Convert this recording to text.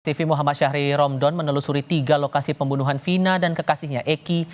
tv muhammad syahri romdon menelusuri tiga lokasi pembunuhan vina dan kekasihnya eki